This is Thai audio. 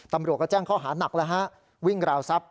ตำรวจก็แจ้งข้อหานักแล้วฮะวิ่งราวทรัพย